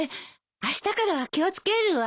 あしたからは気を付けるわ。